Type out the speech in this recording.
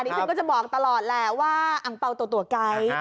ฉันก็จะบอกตลอดแหละว่าอังเปล่าตัวไกด์